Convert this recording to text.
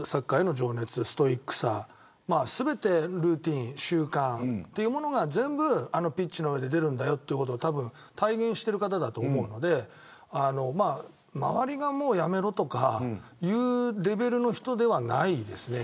彼のサッカーへの情熱ストイックさ全てルーティン習慣というものが全部、あのピッチの上で出るんだよということを体現している方だと思うので周りが辞めろとか言うレベルの人ではないですね。